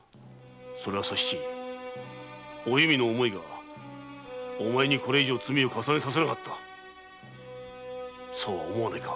それはお弓の思いがお前にこれ以上の罪を重ねさせなかったとそうは思わないか。